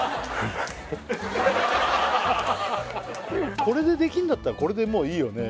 これでできんだったらこれでもういいよねねえ